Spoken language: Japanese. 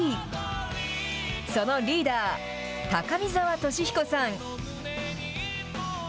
そのリーダー、高見沢俊彦さん。